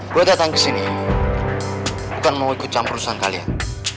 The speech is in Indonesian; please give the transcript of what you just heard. gue datang kesini bukan mau ikut campur perusahaan kalian